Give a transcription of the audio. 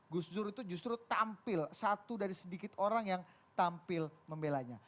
gus dur itu justru tampil satu dari sedikit orang yang tampil membelanya